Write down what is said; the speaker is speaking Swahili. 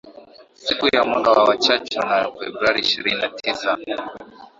Siku ya mwaka wa chachawa ni Februari ishirini na tisa.